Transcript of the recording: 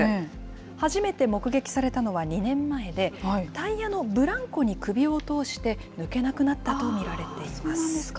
初めて目撃されたのは２年前で、タイヤのブランコに首を通し、抜けなくなったと見られています。